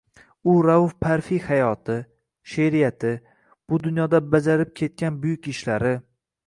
U Rauf Parfiy hayoti, she’riyati, bu dunyoda bajarib ketgan buyuk ishlari